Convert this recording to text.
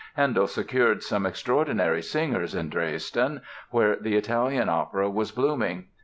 Handel secured some extraordinary singers in Dresden, where the Italian opera was blooming.